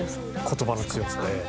言葉の強さええ。